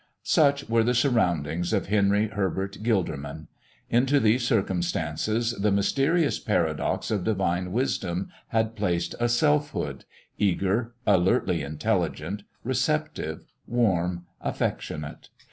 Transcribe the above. Such were the surroundings of Henry Herbert Gilderman. Into these circumstances the mysterious paradox of divine wisdom had placed a selfhood, eager, alertly intelligent, receptive, warm, affectionate.